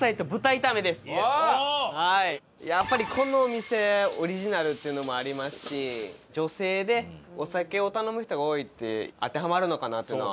やっぱりこの店オリジナルっていうのもありますし女性でお酒を頼む人が多いって当てはまるのかなっていうのは。